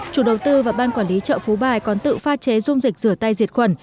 chủ đầu tư và ban quản lý chợ phú bài còn tự pha chế dung dịch rửa tay diệt khuẩn